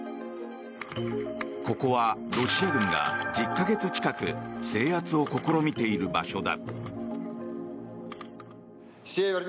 ここはロシア軍が１０か月近く制圧を試みている場所だ。